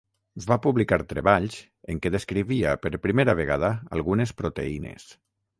Va publicar treballs en què descrivia per primera vegada algunes proteïnes.